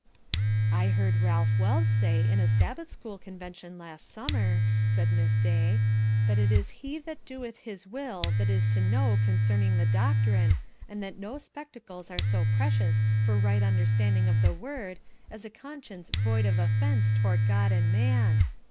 "I heard Ralph Wells say, in a Sabbath school convention last summer," said Miss Day, "'that it is he that doeth His will that is to know concerning the doctrine, and that no spectacles are so precious for right understanding of the Word as a conscience void of offence toward God and man.'